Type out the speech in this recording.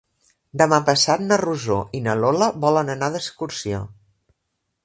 Demà passat na Rosó i na Lola volen anar d'excursió.